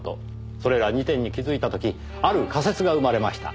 それら２点に気づいた時ある仮説が生まれました。